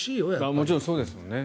もちろんそうですよね。